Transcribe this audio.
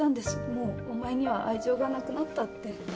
もうお前には愛情がなくなったって。